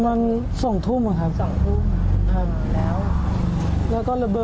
มันเป็นตู้ดิมาตู้ควบคุมไฟฟ้าใช่ไหม